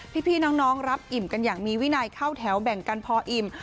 พี่น้องรับอิ่มกันอย่างมีวินัยเข้าแถวแบ่งกันพออิ่ม